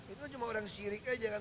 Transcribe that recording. itu cuma orang sirik aja kan